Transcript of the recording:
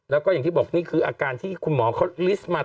แล้วก็อย่างที่บอกนี่คืออาการที่คุณหมอเขาลิสต์มา